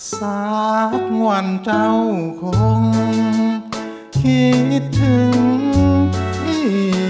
สักวันเจ้าคงคิดถึงพี่